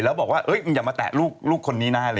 แล้วบอกว่ามึงอย่ามาแตะลูกคนนี้นะ